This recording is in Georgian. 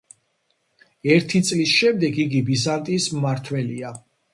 ერთი წლის შემდეგ იგი ბიზანტიის მმართველია.